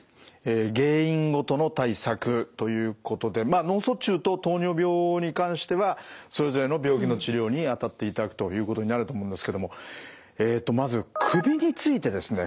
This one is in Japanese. え原因ごとの対策ということでまあ脳卒中と糖尿病に関してはそれぞれの病気の治療にあたっていただくということになると思うんですけどもえっとまず首についてですね。